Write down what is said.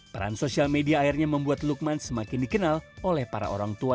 peran sosial media akhirnya membuat lukman semakin dikenal oleh para orang tua